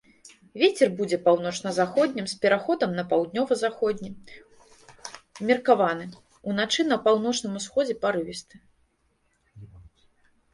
Вецер будзе паўночна-заходнім з пераходам на паўднёва-заходні, умеркаваны, уначы на паўночным усходзе парывісты.